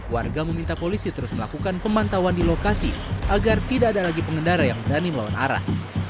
warga meminta polisi terus melakukan pemantauan di lokasi agar tidak ada lagi pengendara yang berani melawan arah